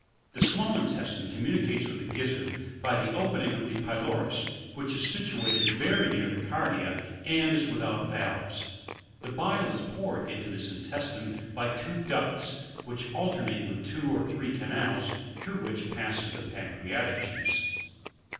32. The »mall intestine communicates with the gizzard by the apening of the pylorus, which is situate very near the cardia, and is without valves. The bile is poured into this intestine by two ducts, which alternate with two or three canals, through which passes the pancreatic juice.